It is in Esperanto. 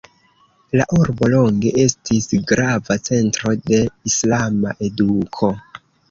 La urbo longe estis grava centro de islama eduko.